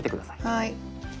はい。